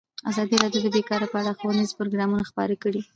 ازادي راډیو د بیکاري په اړه ښوونیز پروګرامونه خپاره کړي.